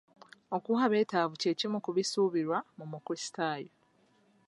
Okuwa abeetavu kye kimu ku bisuubirwa mu mukulisitayo.